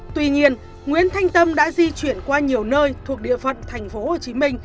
tuy nhiên nguyễn thanh tâm đã di chuyển qua nhiều nơi thuộc địa phận tp hcm